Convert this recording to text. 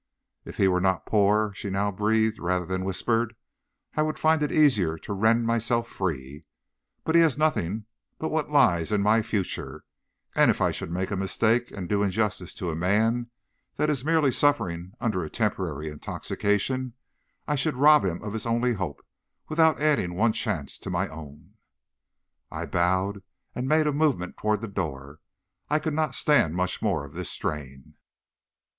"'If he were not poor,' she now breathed rather than whispered, 'I would find it easier to rend myself free. But he has nothing but what lies in my future, and if I should make a mistake and do injustice to a man that is merely suffering under a temporary intoxication, I should rob him of his only hope, without adding one chance to my own.' "I bowed, and made a movement toward the door. I could not stand much more of this strain.